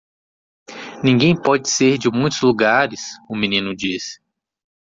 "Ninguém pode ser de muitos lugares?" o menino disse.